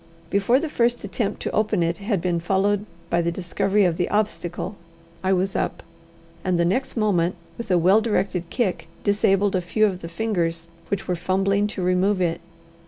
Before the first attempt to open it had been followed by the discovery of the obstacle, I was up, and the next moment, with a well directed kick, disabled a few of the fingers which were fumbling to remove it.